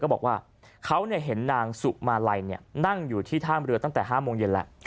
บอกว่าเขาเห็นนางสุมาลัยนั่งอยู่ที่ท่ามเรือตั้งแต่๕โมงเย็นแล้ว